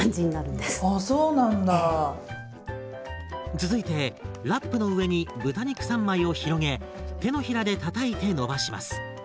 続いてラップの上に豚肉３枚を広げ手のひらでたたいて伸ばします。